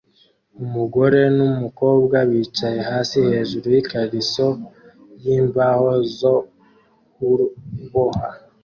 Umugore numukobwa bicaye hasi hejuru yikariso yimbaho zo kuboha